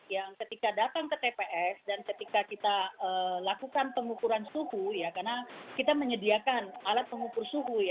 yang ketika datang ke tps dan ketika kita lakukan pengukuran suhu ya karena kita menyediakan alat pengukur suhu ya